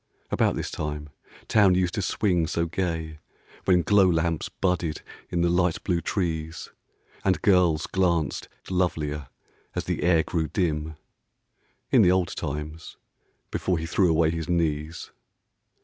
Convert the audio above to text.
About this time Town used to swing so gay When glow lamps budded in the light blue trees And girls glanced lovelier as the air grew dim, — In the old times, before he threw away his knees.